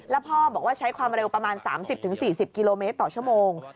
แล้วพ่อบอกว่าใช้ความเร็วประมาณ๓๐๔๐กิโลเมตรต่อชั่วโมง